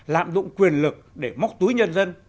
lạm dụng quyền lực để móc túi nhân dân